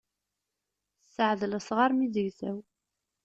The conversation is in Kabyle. Sseɛdel asɣar mi zegzaw.